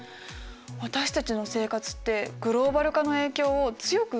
私たちの生活ってグローバル化の影響を強く受けてるんですね。